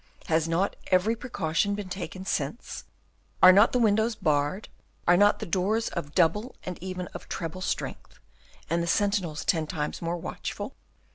Has not every precaution been taken since? Are not the windows barred? Are not the doors of double and even of treble strength, and the sentinels ten times more watchful?